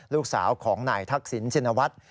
ลูกสาวของนายทักษิณชินวัฒน์